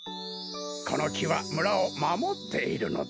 このきは村をまもっているのだね。